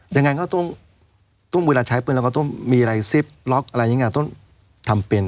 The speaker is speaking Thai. ยังไงก็ต้องเวลาใช้ปืนเราก็ต้องมีอะไรซิปล็อกอะไรอย่างนี้ต้องทำเป็น